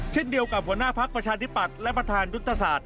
เช่นเดียวกับหัวหน้าพักประชาธิปัตย์และประธานยุทธศาสตร์